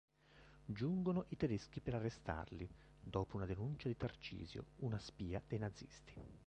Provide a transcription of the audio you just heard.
Giungono i tedeschi per arrestarli, dopo una denuncia di Tarcisio, una spia dei nazisti.